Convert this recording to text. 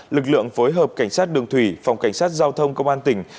lực lượng phối hợp cảnh sát đường thủy phòng cảnh sát giao thông công an tỉnh